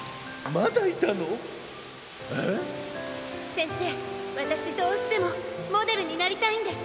せんせいわたしどうしてもモデルになりたいんです。